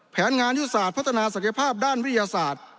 แผนงานยุทธศาสตร์พัฒนาศักยภาพด้านวิทยาศาสตร์